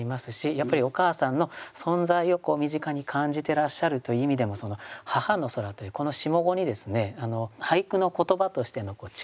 やっぱりお母さんの存在を身近に感じてらっしゃるという意味でも「母の空」というこの下五にですね俳句の言葉としての力を感じますね。